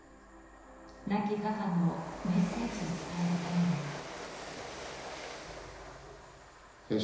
亡き母のメッセージを伝えるためです。